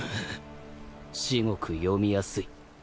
至極読みやすい。